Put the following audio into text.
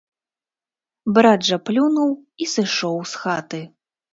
Брат жа плюнуў і сышоў з хаты.